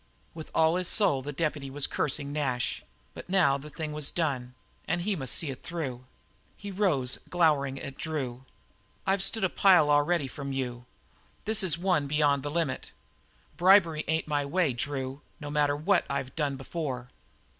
With all his soul the deputy was cursing Nash, but now the thing was done, and he must see it through. He rose glowering on Drew. "I've stood a pile already from you; this is one beyond the limit. Bribery ain't my way, Drew, no matter what I've done before."